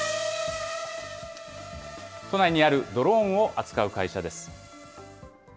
都内にあるドローンを扱う会社です。